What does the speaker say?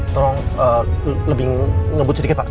tolong lebih ngebut sedikit pak